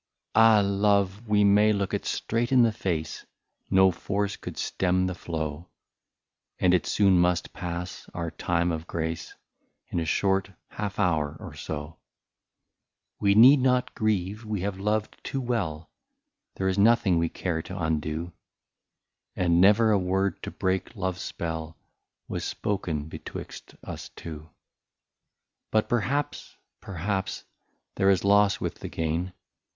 •" Ah ! love, we may look it straight in the face, No force could stem the flow ; And it soon must pass, — our time of grace, In a short half hour or so. ^* We need not grieve ; we have loved too well ; There is nothing we care to undo ; And never a word to break love's spell Was spoken betwixt us two. " But perhaps, perhaps, there is loss with the gain.